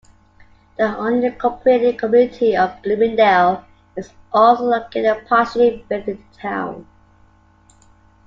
The unincorporated community of Bloomingdale is also located partially within the town.